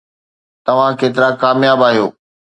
توهان ڪيترا ڪامياب آهيو؟